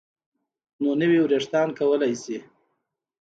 نو نوي ویښتان کولی شي